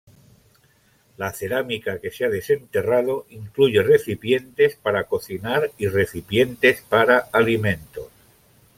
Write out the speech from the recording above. La cerámica que se ha desenterrado incluye recipientes para cocinar y recipientes para alimentos.